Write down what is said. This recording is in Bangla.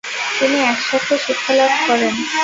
তিনি একসাথে শিক্ষালাভ করেন।